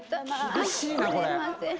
厳しいなこれ。